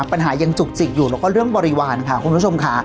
ปัญหายังจุกจิกอยู่แล้วก็เรื่องบริวารค่ะคุณผู้ชมค่ะ